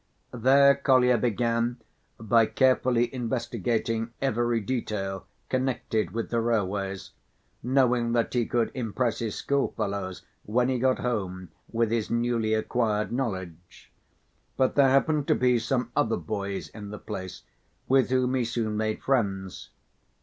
There Kolya began by carefully investigating every detail connected with the railways, knowing that he could impress his schoolfellows when he got home with his newly acquired knowledge. But there happened to be some other boys in the place with whom he soon made friends.